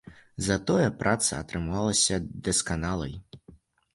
Затое праца атрымалася дасканалай.